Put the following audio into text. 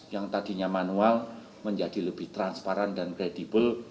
yang tadinya manual menjadi lebih transparan dan kredibel